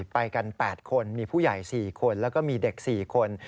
ไปกัน๘คนมีผู้ใหญ่๔คนแล้วก็มีเด็ก๔คน